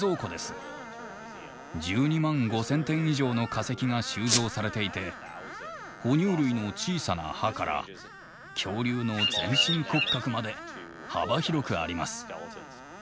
１２万５，０００点以上の化石が収蔵されていて哺乳類の小さな歯から恐竜の全身骨格まで幅広くあります。